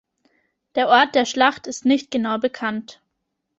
Der Ort der Schlacht ist nicht genau bekannt.